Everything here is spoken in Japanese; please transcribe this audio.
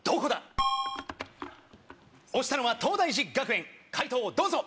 ピンポン押したのは東大寺学園解答をどうぞ！